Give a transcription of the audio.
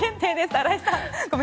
荒井さん。